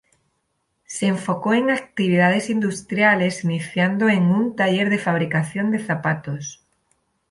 Se enfocó en actividades industriales iniciando en un taller de fabricación de zapatos.